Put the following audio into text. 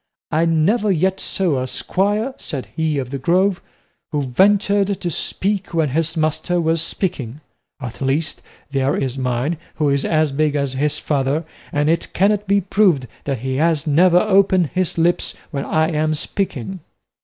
"I never yet saw a squire," said he of the Grove, "who ventured to speak when his master was speaking; at least, there is mine, who is as big as his father, and it cannot be proved that he has ever opened his lips when I am speaking."